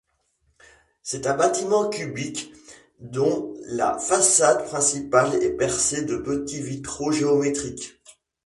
C'est un bâtiment cubique, dont la façade principale est percée de petits vitraux géométriques.